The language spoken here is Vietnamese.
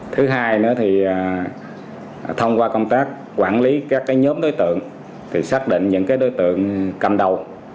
thứ hai thông qua công tác quản lý các nhóm đối tượng xác định những đối tượng cầm đầu